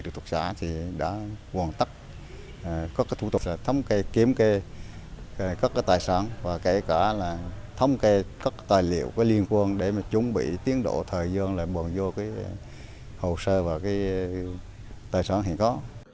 thủ tục xã đã hoàn tất các thủ tục thống kê kiểm kê các tài sản và kể cả thống kê các tài liệu liên quan để chuẩn bị tiến độ thời gian để buồn vô hồ sơ và tài sản hiện có